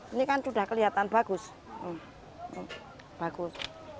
ini kan sudah kelihatan bagus bagus